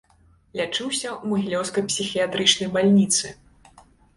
Лячыўся ў магілёўскай псіхіятрычнай бальніцы.